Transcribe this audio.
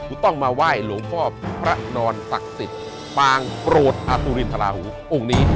ต้องมาไหว้หลวงพ่อพระนอนศักดิ์สิทธิ์ปางโปรดอสุรินทราหูองค์นี้